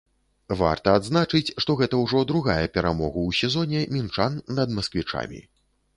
Варта адзначыць, што гэта ўжо другая перамогу ў сезоне мінчан над масквічамі.